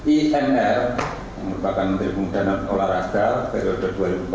i n r yang merupakan menteri pundanan olahraga periode dua ribu empat belas dua ribu sembilan belas